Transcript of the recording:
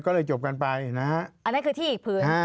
ก็เลยจบกันไปนะฮะอันนั้นคือที่อีกพื้น